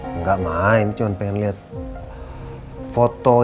enggak main cuman pengen liat